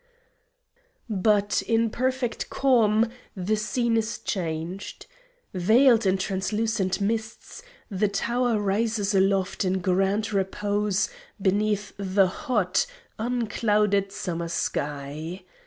But in perfect calm the scene is changed. Veiled in translucent mists, the tower rises aloft in grand repose beneath the hot, unclouded summer sky.